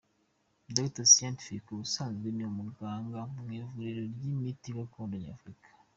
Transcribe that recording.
Dr Scientific ubusanzwe ni umuganga mu Ivuriro ry'Imiti Gakondo Nyafrika.